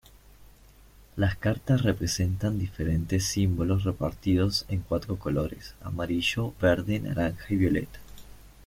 Las cartas representan diferentes símbolos repartidos en cuatro colores: amarillo, verde, naranja y violeta.